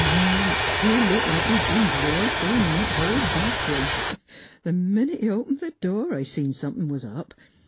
Land! he looked like he'd b'en drored through a knot hole backwards. Th' minute he opened th' door I see somethin' was up.